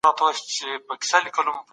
هغه د خپلو اهدافو د ترلاسه کولو هڅه کوله.